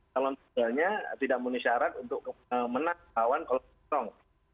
kalau misalnya tidak muncul syarat untuk menang kawan kalau kosong